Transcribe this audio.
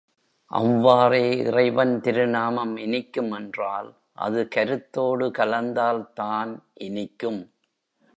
அவ்வாறே இறைவன் திருநாமம் இனிக்கும் என்றால், அது கருத்தோடு கலந்தால்தான் இனிக்கும்.